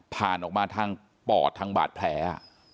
ผ่านออกมาทางปอดทางบาดแผล